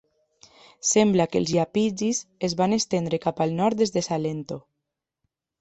Sembla que els iapigis es van estendre cap al nord des de Salento.